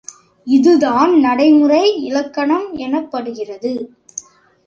இதுதான் நடைமுறை இலக்கணம் எனப்படுகிறது.